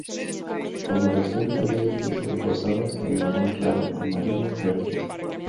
Su coloración puede ir desde el rosado hasta el marrón claro, amarillo o verde.